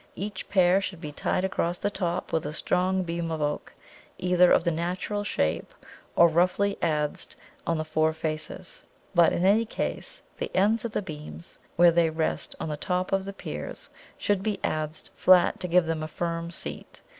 Each pair should be tied across the top with a strong beam of oak, either of the natural shape, or roughly adzed on the four faces; but in any case, the ends of the beams, where they rest on the top of the piers, should be adzed flat to give them a firm seat.